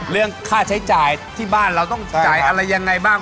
เรื่องค่าใช้จ่ายที่บ้านเราต้องจ่ายอะไรยังไงบ้าง